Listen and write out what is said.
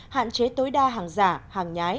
hạn chế tối đa hàng giả hàng nhái